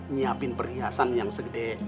nyiapin perhiasan yang segede